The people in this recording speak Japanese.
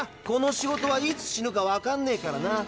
この仕事はいつ死ぬかわかんねえからな。